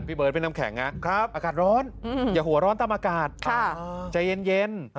พี่เบิร์นเป็นน้ำแข็งนะครับอากาศร้อนอย่าหัวร้อนตามอากาศใจเย็น